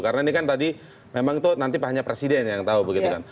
karena ini kan tadi memang itu nanti hanya presiden yang tahu begitu kan